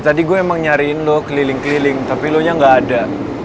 tadi gua emang nyariin lo keliling keliling tapi lu nya gaada